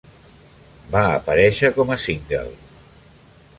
Va aparèixer com a single.